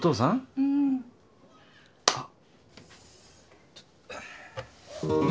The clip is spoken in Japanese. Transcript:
うん。あっ。